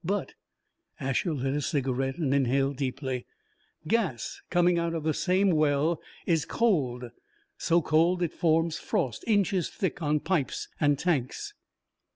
But" Asher lit a cigarette and inhaled deeply "gas coming out of the same well is cold! So cold it forms frost inches thick on pipes and tanks.